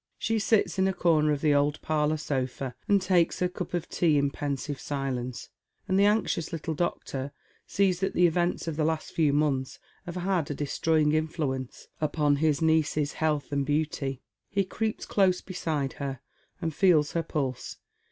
She sits in a corner of the old parlour sofa and takes her cup of tea in pensive silence, and the anxious little doctor sees that the events of tlie last few months have had a destroying influence upon his favourite niece's health and beauty. He creeps Close beside her and feels her pulse.